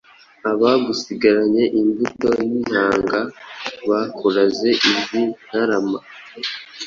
Abagusigaranye imbuto n’intanga, Bakuraze izi ntarama,